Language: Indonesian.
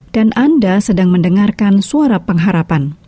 dan anda sedang mendengarkan suara pengharapan